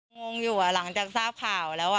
อะงงอยู่อ่ะหลังจากทราบข่าวแล้วอ่ะก็